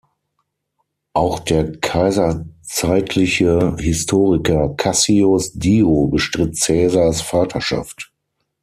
Auch der kaiserzeitliche Historiker Cassius Dio bestritt Caesars Vaterschaft.